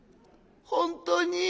本当に？